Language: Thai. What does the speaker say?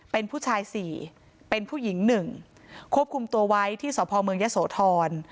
เป็นผู้ชายสี่เป็นผู้หญิง๑ควบคุมตัวไว้ที่สพเมืองยะโสธร